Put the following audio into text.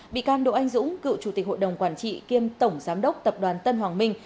bị can đỗ anh dũng cựu chủ tịch hội đồng quản trị kiêm tổng giám đốc tập đoàn tân hoàng minh